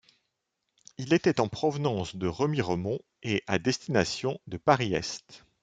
Il était en provenance de Remiremont et à destination de Paris Est.